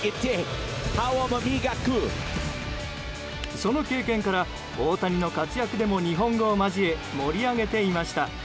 その経験から大谷の活躍でも日本語を交え盛り上げていました。